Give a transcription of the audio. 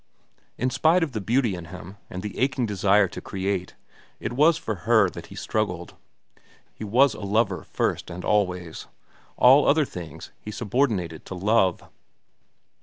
In spite of the beauty in him, and the aching desire to create, it was for her that he struggled. He was a lover first and always. All other things he subordinated to love.